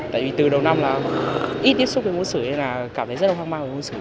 tại vì từ đầu năm là ít tiếp xúc với môn sử nên là cảm thấy rất là hoang mang với môn sử